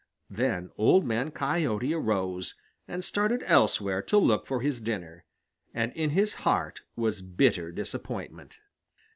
Then Old Man Coyote arose and started elsewhere to look for his dinner, and in his heart was bitter disappointment.